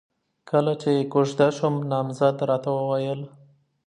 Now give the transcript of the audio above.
کله چې کوژده شوم، نامزد راته وويل: